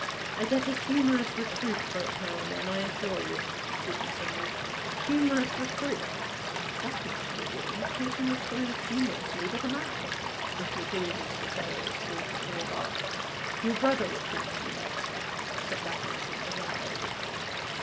'I get a humorous reproof for it now and then, I assure you,' she continued. '"Humorous reproof:" that's not from a woman: who can reprove humorously but a man?' was the groove of Cytherea's thought at the remark. 'Your brother reproves you, I expect,' said that innocent young lady.